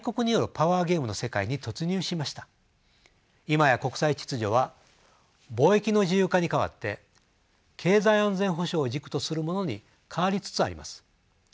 今や国際秩序は貿易の自由化に代わって経済安全保障を軸とするものに変わりつつあります。